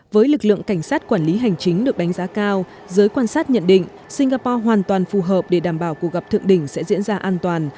với lực lượng cảnh sát quản lý hành chính được đánh giá cao giới quan sát nhận định singapore hoàn toàn phù hợp để đảm bảo cuộc gặp thượng đỉnh sẽ diễn ra an toàn